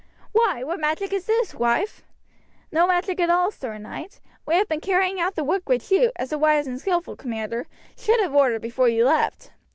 "Why, what magic is this, wife?" "No magic at all, Sir Knight. We have been carrying out the work which you, as a wise and skilful commander, should have ordered before you left.